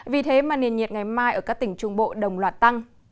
vì thế mà nền nhiệt ngày mai ở các tỉnh trung bộ đồng loạt tăng